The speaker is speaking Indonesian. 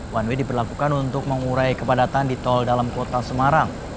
one way diperlakukan untuk mengurai kepadatan di tol dalam kota semarang